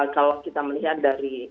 kalau kita melihat dari